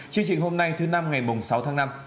chương trình hôm nay thứ năm ngày sáu tháng năm